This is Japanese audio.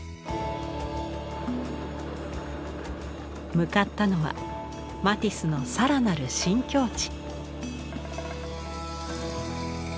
向かったのはマティスの更なる新境地。